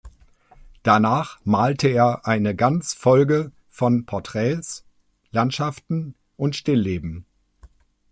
Danach malte er eine ganz Folge von Porträts, Landschaften und Stillleben.